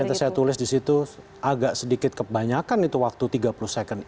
yang tadi saya tulis di situ agak sedikit kebanyakan itu waktu tiga puluh second